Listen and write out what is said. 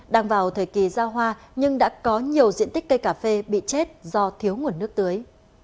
đang vào thời kỳ ra hoa nhưng đã có nhiều diện tích cây cà phê bị chết do thiếu nguồn nước tưới